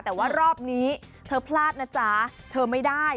แต่ว่ารอบนี้เธอพลาดนะจ๊ะเธอไม่ได้